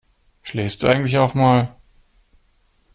Schläfst du eigentlich auch mal?